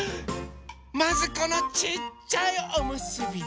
まずこのちっちゃいおむすび。